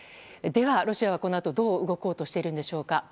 では、ロシアはこのあとどう動こうとしているんでしょうか。